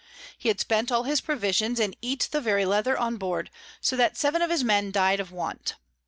He had spent all his Provisions, and eat the very Leather on board; so that seven of his Men died of Want.